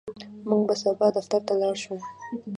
موږ به سبا دفتر ته لاړ شو.